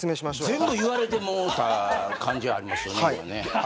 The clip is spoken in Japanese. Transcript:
全部言われてもうた感じありますね。